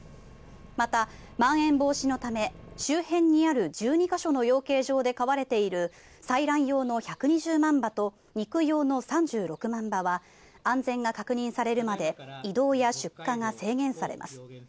また、まん延防止のため周辺にある１２か所の養鶏場で飼われている採卵用の１２０万羽と肉用の３６万羽は安全が確認されるまで移動や出荷が制限されます。